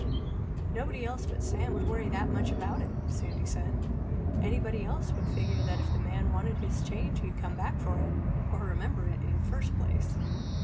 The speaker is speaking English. "Nobody else but Sam would worry that much about it," Sandy said. "Anybody else would figure that if the man wanted his change he'd come back for it—or remember it in the first place."